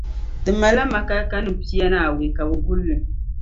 Di malila Makaaikanim pia ni awei ka bɛ guli li